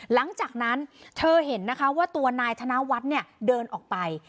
หลังจากนั้นเธอเห็นนะคะว่าตัวนายธนวัฒน์เนี่ยเดินออกไป